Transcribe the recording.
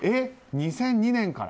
２００２年から？